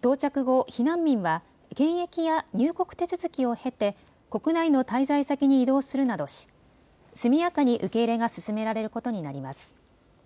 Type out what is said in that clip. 到着後、避難民は検疫や入国手続きを経て国内の滞在先に移動するなどし速やかに受け入れが進められることになります。